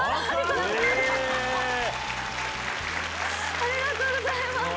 ありがとうございます。